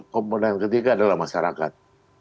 komponen ketiga adalah masyarakat